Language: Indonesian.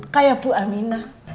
kayak bu aminah